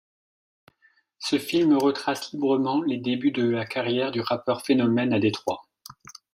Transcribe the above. Ce film retrace librement les débuts de la carrière du rappeur phénomène à Détroit.